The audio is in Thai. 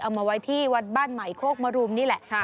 มาไว้ที่วัดบ้านใหม่โคกมรุมนี่แหละ